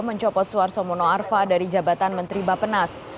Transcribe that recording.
mencopot suharto monoarfa dari jabatan menteri bapenas